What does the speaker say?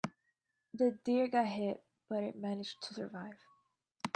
The deer got hit, but it managed to survive.